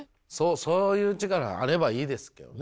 そういう力があればいいですけどね